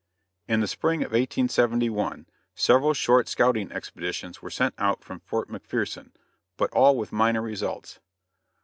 In the spring of 1871 several short scouting expeditions were sent out from Fort McPherson, but all with minor results.